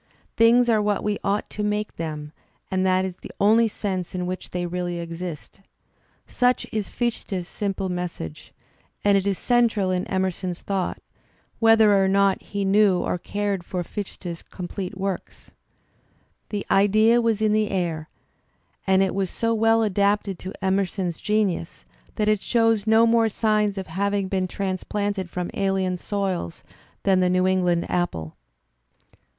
'' Things are what we ought to make them, and ' that is the only sense in which they really exist. Such is ' Fichte's simplest message, and it is central in Emerson's thought, whether or not he knew or cared for Fichte's com plete works. The idea was in th e air and it was so weU adapted to Emerson's genius that it shows no more signs of having been transplanted from alien soils than the New England apple.